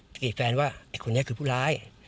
กรีดแฟนว่าไอ้คนนี้คือผู้ร้าย